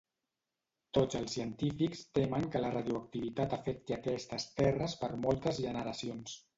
Tots els científics temen que la radioactivitat afecti aquestes terres per moltes generacions.